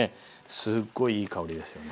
すっごいいい香りですよね。